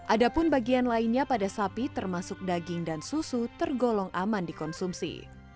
ada pun bagian lainnya pada sapi termasuk daging dan susu tergolong aman dikonsumsi